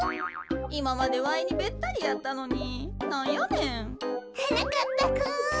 いままでわいにべったりやったのになんやねん。はなかっぱくん。